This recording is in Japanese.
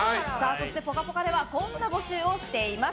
そして、「ぽかぽか」ではこんな募集をしています。